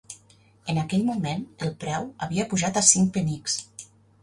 En aquell moment, el preu havia pujat a cinc penics.